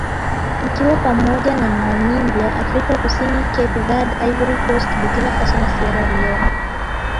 ikiwa pamoja na Namibia Afrika kusini Cape Verde Ivory Coast Burkina Faso na Sierra Leone